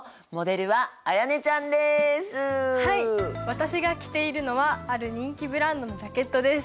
私が着ているのはある人気ブランドのジャケットです。